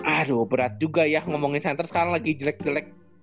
aduh berat juga ya ngomongin senter sekarang lagi jelek jelek